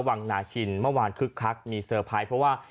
วังนาคินเมื่อวานคึกคักมีเซอร์ไพรส์เพราะว่า